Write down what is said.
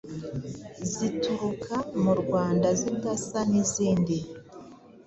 zituruka mu Rwanda zidasa nizindi